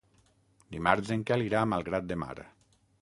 Dimarts en Quel irà a Malgrat de Mar.